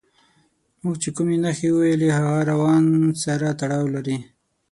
موږ چې کومې نښې وویلې هغه روان سره تړاو لري.